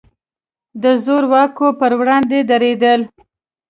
د زور واکو پر وړاندې درېدل.